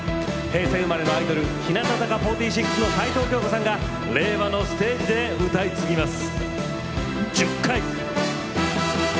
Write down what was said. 平成生まれのアイドル日向坂４６、齊藤京子さんが令和のステージで歌い継ぎます。